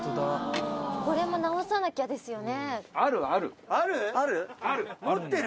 これも直さなきゃですよねある？